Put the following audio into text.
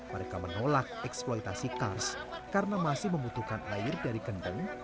mereka menolak eksploitasi kars karena masih membutuhkan air dari kendung